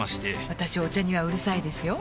私お茶にはうるさいですよ